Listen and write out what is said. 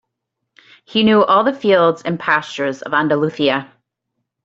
He knew all the fields and pastures of Andalusia.